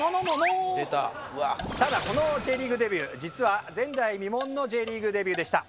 ただこのＪリーグデビュー実は前代未聞のＪリーグデビューでした。